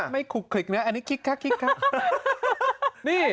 ไม่ขุกนะอันนี้